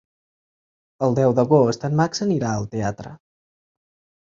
El deu d'agost en Max anirà al teatre.